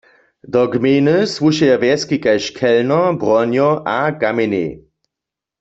Do gmejny słušeja wjeski kaž Chelno, Bronjo a Kamjenjej.